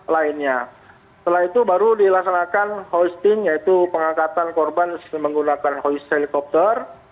setelah itu baru dilaksanakan hoisting yaitu pengangkatan korban menggunakan helikopter